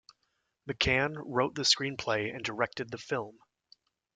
McGann wrote the screenplay and directed the film.